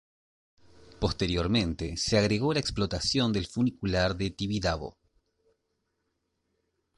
Posteriormente se agregó la explotación del funicular del Tibidabo.